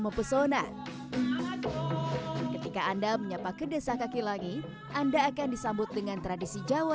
mempesona ketika anda menyapa ke desa kaki langit anda akan disambut dengan tradisi jawa